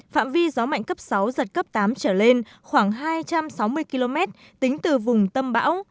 phạm vi gió mạnh cấp sáu giật cấp tám trở lên khoảng hai trăm sáu mươi km tính từ vùng tâm bão